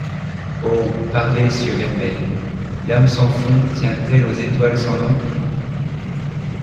Oh! parlez, cieux vermeils, L’âme sans fond tient-elle aux étoiles sans nombre?